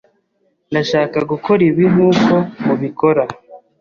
Ndashaka gukora ibi nkuko mubikora.